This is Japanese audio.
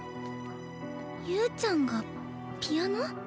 侑ちゃんがピアノ？